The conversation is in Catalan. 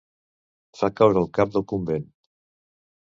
Fa caure el cap del convent.